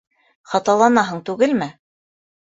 — Хаталанаһың түгелме?